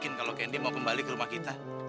mungkin kalau kendi mau kembali ke rumah kita